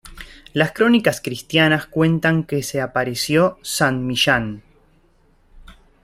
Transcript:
Las crónicas cristianas cuentan que se apareció San Millán.